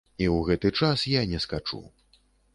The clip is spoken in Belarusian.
І ў гэты час я не скачу.